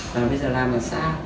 là bây giờ làm ở xa